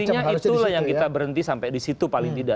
mestinya itulah yang kita berhenti sampai disitu paling tidak